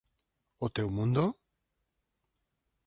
O teu mundo?